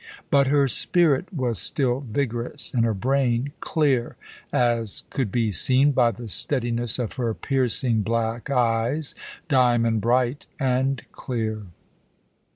But her spirit was still vigorous and her brain clear, as could be seen by the steadiness of her piercing black eyes, diamond bright and clear.